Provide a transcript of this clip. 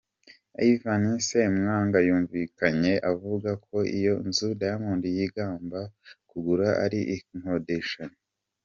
Ivan Semwanga yumvikanye avuga ko iyo nzu Diamond yigambaga kugura ari inkodeshanyo.